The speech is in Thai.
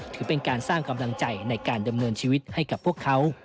ถือเป็นการสร้างกำลังใจในการดำเนินชีวิตให้กับพวกเขา